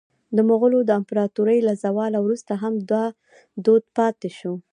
د مغولو د امپراطورۍ له زواله وروسته هم دا دود پاتې شو.